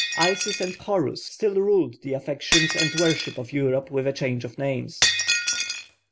Isis and Horus still ruled the affections and worship of Europe with a change of names.